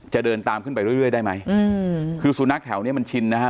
จะเดินตามขึ้นไปเรื่อยได้ไหมอืมคือสุนัขแถวเนี้ยมันชินนะฮะ